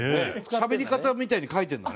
しゃべり方みたいに書いてるんだね。